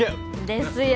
ですよ